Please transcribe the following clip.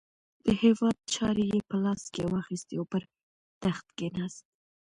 د هیواد چارې یې په لاس کې واخیستې او پر تخت کښېناست.